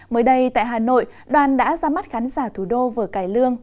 mới đây tại hà nội đoàn đã ra mắt khán giả thủ đô vở cải lương